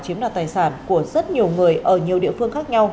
chiếm đoạt tài sản của rất nhiều người ở nhiều địa phương khác nhau